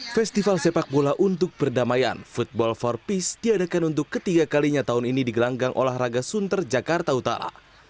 festival sepak bola untuk perdamaian football for peace diadakan untuk ketiga kalinya tahun ini di gelanggang olahraga sunter jakarta utara